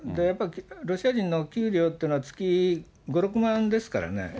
やっぱり、ロシア人の給料っていうのは、月５、６万ですからね。